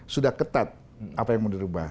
sudah ketat apa yang mau dirubah